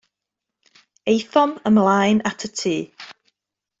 Aethom ymlaen at y tŷ.